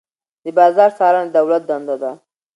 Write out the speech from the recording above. د بازار څارنه د دولت دنده ده.